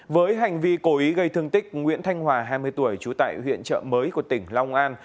với hành vi cố ý gây thương tích nguyễn thanh hòa hai mươi tuổi trú tại huyện trợ mới của tỉnh long an